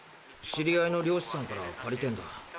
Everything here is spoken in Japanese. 知り合いの漁師さんから借りてんだ。